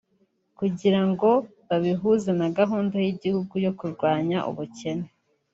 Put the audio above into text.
kugira ngo babihuze na gahunda y’igihugu yo kurwanya ubukene